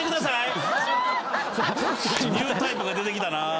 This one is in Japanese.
ニュータイプが出てきたな。